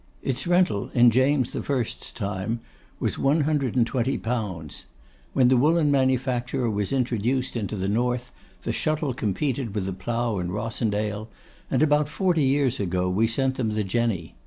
Its rental in James the First's time was 120_l._ When the woollen manufacture was introduced into the north, the shuttle competed with the plough in Rossendale, and about forty years ago we sent them the Jenny.